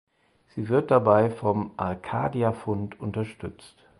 Sie wird dabei vom Arcadia Fund unterstützt.